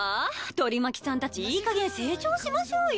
取り巻きさんたちいいかげん成長しましょうよ